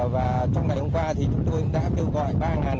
và trong ngày hôm qua thì chúng tôi đã kêu gọi